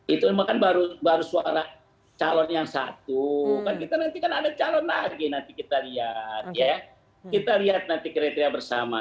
itu memang kan baru suara calon yang satu kan kita nanti kan ada calon lagi nanti kita lihat kita lihat nanti kriteria bersama